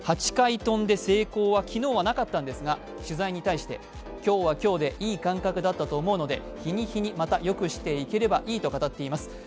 ８回跳んで成功は昨日はなかったんですが、取材に対して、今日は今日でいい感覚だったと思うので日に日にまたよくしていければいいと語っています。